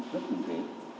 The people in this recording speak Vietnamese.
rất tương kỳ